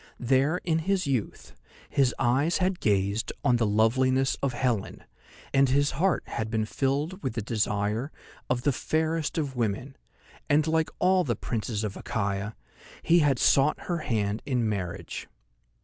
There, in his youth, his eyes had gazed on the loveliness of Helen, and his heart had been filled with the desire of the fairest of women, and like all the princes of Achaia he had sought her hand in marriage.